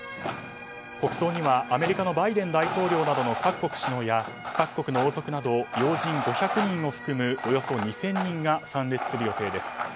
国葬にはアメリカのバイデン大統領など各国首脳や各国の王族など要人５００人を含むおよそ２０００人が参列する予定です。